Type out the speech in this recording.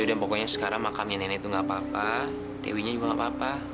ya udah pokoknya sekarang makamnya nenek tuh gak apa apa dewi nya juga gak apa apa